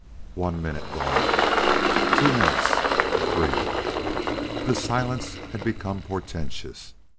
One minute gone! Two minutes! Three! The silence had become portentous.